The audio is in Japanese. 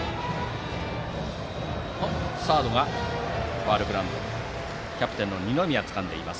ファウルグラウンドでキャプテンの二宮がつかんでいます。